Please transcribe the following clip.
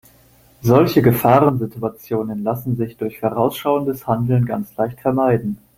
Solche Gefahrensituationen lassen sich durch vorausschauendes Handeln ganz leicht vermeiden.